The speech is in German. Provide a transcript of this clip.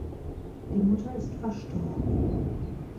Die Mutter ist verstorben.